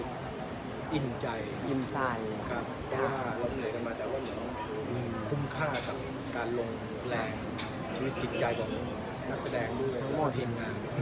เพราะว่าเราเหนื่อยกันมากจะคุ้มค่ากับการลงแรงชีวิตกิจใจของหนักแสดงด้วยลงทีมงาน